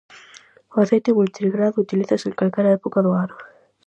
O aceite multigrado utilízase en calquera época do ano.